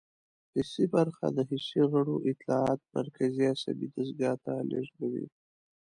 حسي برخه د حسي غړو اطلاعات مرکزي عصبي دستګاه ته لیږدوي.